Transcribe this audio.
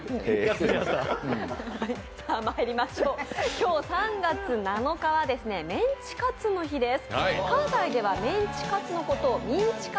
今日３月７日はメンチカツの日です。